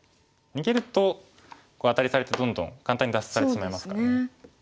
逃げるとアタリされてどんどん簡単に脱出されてしまいますからね。